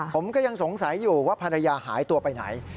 ผมก็ยังสงสัยอยู่ว่าภรรยาหายตัวไปไหน